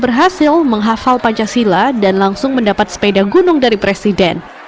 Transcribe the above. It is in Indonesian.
berhasil menghafal pancasila dan langsung mendapat sepeda gunung dari presiden